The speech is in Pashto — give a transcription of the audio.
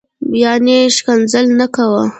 یعنی شکنځل نه کوه